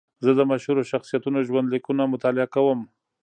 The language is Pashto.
زه د مشهورو شخصیتونو ژوند لیکونه مطالعه کوم.